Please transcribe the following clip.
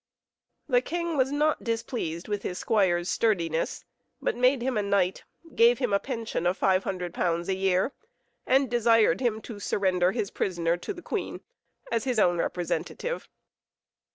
The king was not displeased with his squire's sturdiness, but made him a knight, gave him a pension of 500_l._. a year, and desired him to surrender his prisoner to the queen, as his own representative.